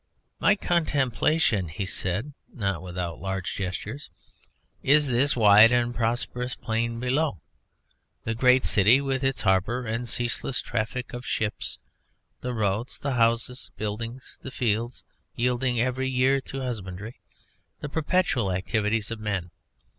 "My contemplation," he said, not without large gestures, "is this wide and prosperous plain below: the great city with its harbour and ceaseless traffic of ships, the roads, the houses building, the fields yielding every year to husbandry, the perpetual activities of men.